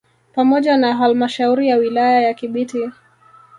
Pamoja na halmashauri ya wilaya ya Kibiti